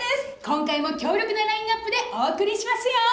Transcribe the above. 今回も強力なラインナップでお送りしますよ。